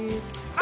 あ！